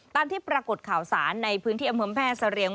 ตามที่ปรากฏข่าวสารในพื้นที่อำเภอแม่เสรียง